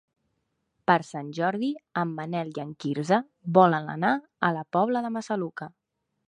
Per Sant Jordi en Manel i en Quirze volen anar a la Pobla de Massaluca.